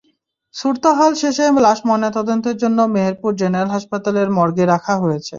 সুরতহাল শেষে লাশ ময়নাতদন্তের জন্য মেহেরপুর জেনারেল হাসপাতালের মর্গে রাখা হয়েছে।